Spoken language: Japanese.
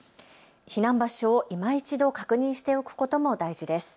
避難場所をいま一度確認しておくことも大事です。